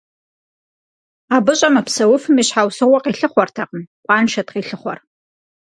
Абы щӏэмыпсэуфым и щхьэусыгъуэ къилъыхъуэртэкъым, къуаншэт къилъыхъуэр.